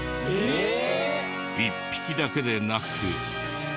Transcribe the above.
１匹だけでなく。